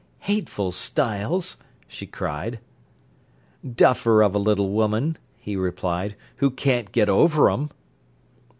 "Hateful stiles!" she cried. "Duffer of a little woman," he replied, "who can't get over 'em."